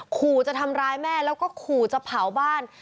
ขู่จะทำร้ายแม่แล้วก็ขู่จะเผาบ้าน